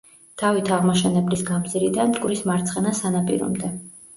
დავით აღმაშენებლის გამზირიდან მტკვრის მარცხენა სანაპირომდე.